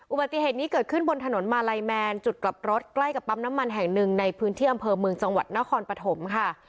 อุบัติเหตุนี้เกิดขึ้นบนถนนมาลัยแมนจุดกลับรถใกล้กับปั๊มน้ำมันแห่งหนึ่งในพื้นที่อำเภอเมืองจังหวัดนครปฐมค่ะ